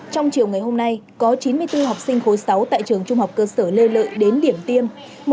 trong chiều ngày hôm nay có chín mươi bốn học sinh khối sáu tại trường trung học cơ sở lê lợi đến điểm tiêm